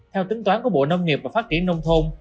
theo tính toán của bộ nông nghiệp và phát triển nông thôn